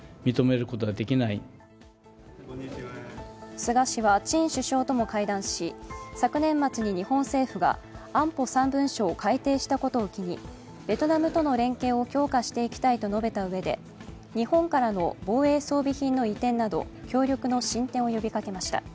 菅氏はチン首相とも会談し、昨年末に日本政府が安保３文書を改定したことを機にベトナムとの連携を強化していきたいと述べたうえで日本からの防衛装備品の移転など協力の進展を呼びかけました。